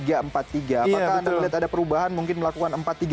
apakah anda melihat ada perubahan mungkin melakukan empat tiga